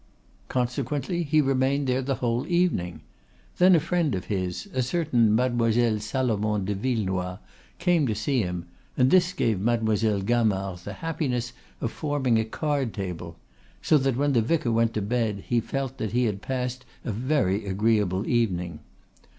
Consequently he remained there the whole evening. Then a friend of his, a certain Mademoiselle Salomon de Villenoix, came to see him, and this gave Mademoiselle Gamard the happiness of forming a card table; so that when the vicar went to bed he felt that he had passed a very agreeable evening.